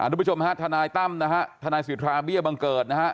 ทุกผู้ชมฐานายตั้มฐานายสิทธาเบี้ยบังเกิด